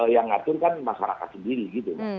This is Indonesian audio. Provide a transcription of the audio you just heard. yang ngatur kan masyarakat sendiri gitu